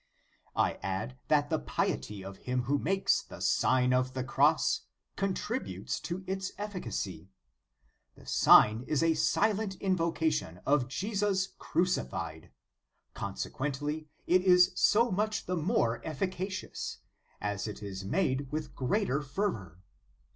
I add, that the piety of him who makes the Sign of the Cross contributes to its efficacy. This sign is a silent invocation of Jesus Cru cified; consequently, it is so much the more efficacious, as it is made with greater fervor.